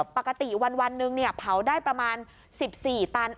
ปกติวันหนึ่งเผาได้ประมาณ๑๔ตัน